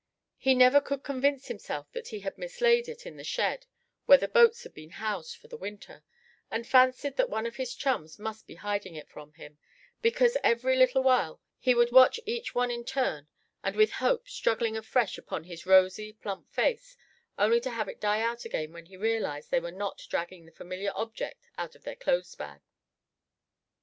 He never could convince himself that he had mislaid it in the shed where the boats had been housed for the winter; and fancied that one of his chums must be hiding it from him; because every little while he would watch each one in turn, and with hope struggling afresh upon his rosy, plump face, only to have it die out again when he realized they were not dragging the familiar object out of their clothes bags.